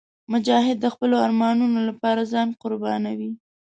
مجاهد د خپلو ارمانونو لپاره ځان قربانوي.